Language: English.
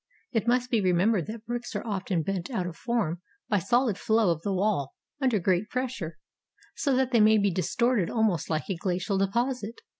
It must be remembered that bricks are often bent out of form by solid flow of the wall under great pressure, so that they may be distorted almost hke a glacial deposit.